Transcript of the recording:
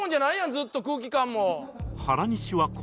ずっと空気感も。